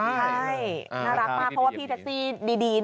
ใช่น่ารักมากเพราะว่าพี่แท็กซี่ดี